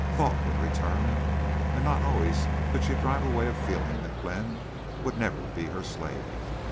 Thought would return. And not always could she drive away a feeling that Glenn would never be her slave.